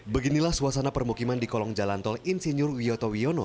beginilah suasana permukiman di kolong jalan tol insinyur wiyoto wiono